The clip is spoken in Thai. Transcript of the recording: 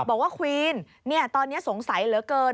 ควีนตอนนี้สงสัยเหลือเกิน